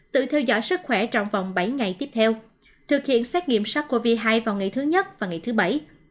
tự theo dõi sức khỏe trong vòng bảy ngày tiếp theo thực hiện xét nghiệm sars cov hai vào ngày thứ nhất và nghị thứ bảy